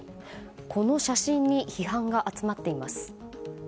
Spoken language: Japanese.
この写真に批判が集まっています。